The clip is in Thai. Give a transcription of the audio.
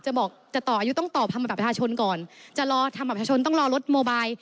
จะต่ออายุต้องตอบธรรมประชาชนก่อนจะรอธรรมประชาชนต้องรอรถโมบาย